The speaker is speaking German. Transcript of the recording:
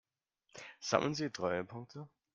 Sammeln Sie Treuepunkte?